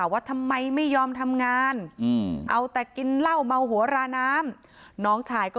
ว่าทำไมไม่ยอมทำงานเอาแต่กินเหล้าเมาหัวราน้ำน้องชายก็